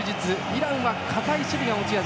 イランは堅い守備が持ち味。